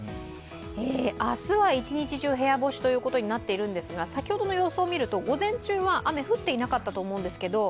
明日は一日中、部屋干しということになっているんですが先ほどの予想を見ると午前中は雨、降っていなかったと想うんですけれども。